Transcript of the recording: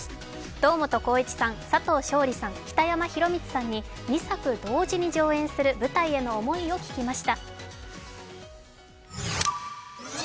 堂本光一さん、佐藤勝利さん、北山宏光さんに２作同時に上演する舞台への意気込みを聞きました。